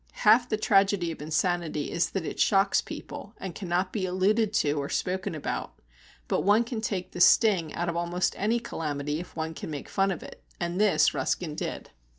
Half the tragedy of insanity is that it shocks people, and cannot be alluded to or spoken about; but one can take the sting out of almost any calamity if one can make fun of it, and this Ruskin did.